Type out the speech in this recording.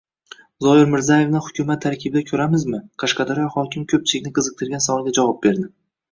Zoir Mirzayevni hukumat tarkibida ko‘ramizmi? Qashqadaryo hokimi ko‘pchilikni qiziqtirgan savolga javob berdi